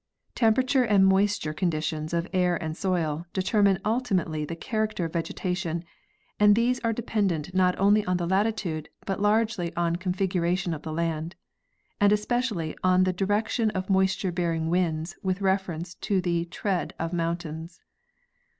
Temperature and moisture conditions of air and soil, determine ultimately the character of vegetation, and these are dependent not only on latitude, but largely on configuration of the land, and especially on the direction of moisture bearing winds with reference to the trend of mountains.